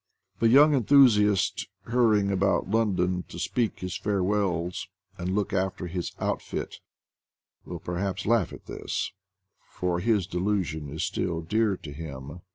THE WAR WITH NATURE 85 The young enthusiast, hurrying about London to speak his farewells and look after his outfit, will perhaps laugh at this, for his delusion is still dear to him.